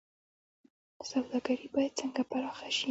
سوداګري باید څنګه پراخه شي؟